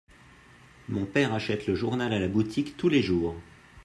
Mon père achète le journal à la boutique tous les jours.